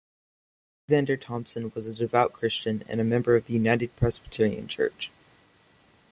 Alexander Thomson was a devout Christian and a member of the United Presbyterian Church.